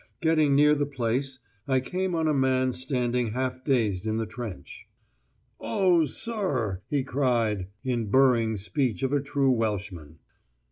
Getting near the place I came on a man standing half dazed in the trench. "Oh, sirrh," he cried, in the burring speech of a true Welshman.